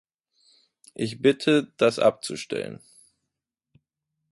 Ich bitte, das abzustellen.